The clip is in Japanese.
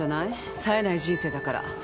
さえない人生だから。